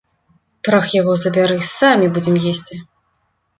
Прах яго забяры, самі будзем есці.